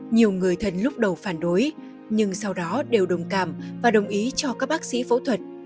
nhiều người thân lúc đầu phản đối nhưng sau đó đều đồng cảm và đồng ý cho các bác sĩ phẫu thuật